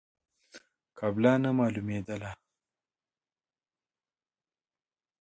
قبله نه مالومېدله.